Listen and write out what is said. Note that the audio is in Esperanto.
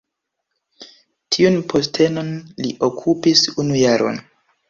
Tiun postenon li okupis unu jaron.